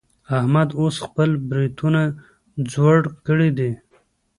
احمد اوس خپل برېتونه څوړ کړي دي.